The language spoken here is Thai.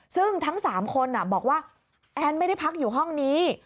ซึ่งทั้ง๓คนบอกว่าแอนไม่ได้พักอยู่ห้องนี้